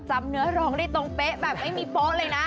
เนื้อร้องได้ตรงเป๊ะแบบไม่มีโป๊ะเลยนะ